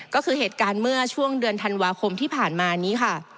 ก็คือเหตุการณ์เมื่อช่วงเดือนธันวาคมที่ผ่านมานี้ค่ะ